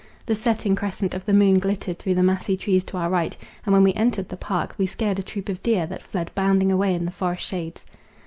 The setting crescent of the moon glittered through the massy trees to our right, and when we entered the park, we scared a troop of deer, that fled bounding away in the forest shades.